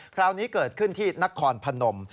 คราวนี้เกิดขึ้นที่นครพนม